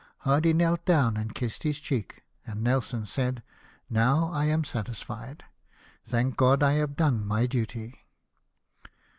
Hardy knelt down and kissed his cheek, and Nelson said, "Now I am satisfied. Thank God I have done my duty."